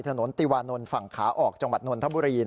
ถนนติวานนท์ฝั่งขาออกจังหวัดนนทบุรี